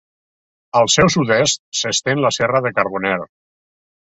Al seu sud-est s'estén la Serra de Carboner.